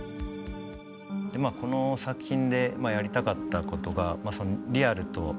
でまぁこの作品でやりたかったことがリアルとバーチャル。